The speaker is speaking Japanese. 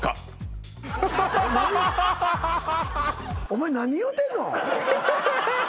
お前何言うてんの！？